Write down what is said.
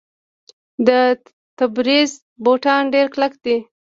د تبریز بوټان ډیر کلک دي.